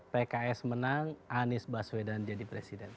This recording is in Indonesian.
dua ribu dua puluh empat pks menang anies baswedan jadi presiden